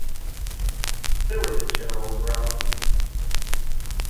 There was a general groan.